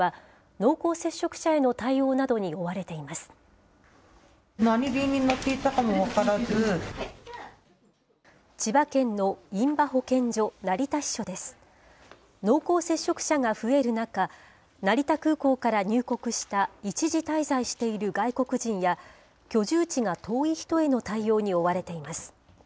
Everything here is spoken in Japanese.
濃厚接触者が増える中、成田空港から入国した一時滞在している外国人や、居住地が遠い人への対応に追われています。